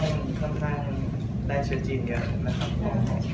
ก็ค่อนข้างหลายใช้จริงเยอะแล้ว